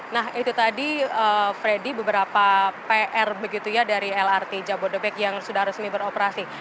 nah itu tadi freddy beberapa pr dari lrt jabodetabek yang sudah resmi beroperasi